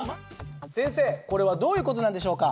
先生これはどういう事なんでしょうか？